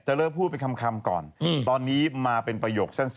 ฉันรู้แต่ไหนรู้ได้เป็นผู้หญิง